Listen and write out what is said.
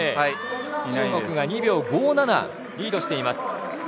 中国が２秒５７リードしています。